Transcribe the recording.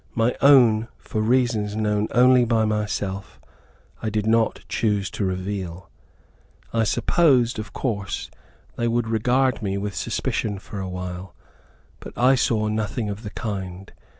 My own, for reasons known only by myself, I did not choose to reveal. I supposed, of course, they would regard me with suspicion for a while, but I saw nothing of the kind.